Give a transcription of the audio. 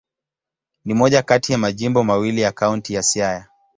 Ni moja kati ya majimbo mawili ya Kaunti ya Siaya.